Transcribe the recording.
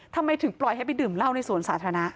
ทำไมถึงปล่อยให้ไปดื่มเหล้าในสวนสาธารณะ